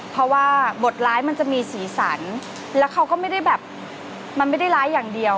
เพราะว่าบทร้ายมันจะมีสีสันแล้วเขาก็ไม่ได้แบบมันไม่ได้ร้ายอย่างเดียว